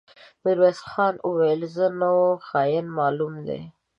ميرويس خان وويل: ښه نو، خاين معلوم دی.